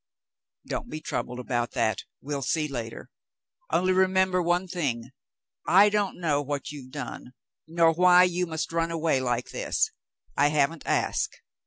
"Don't be troubled about that; we'll see later. Only remember one thing. I don't know what you've done, nor why you must run away like this — I haven't asked.